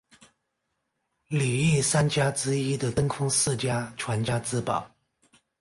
里御三家之一的真宫寺家传家之宝。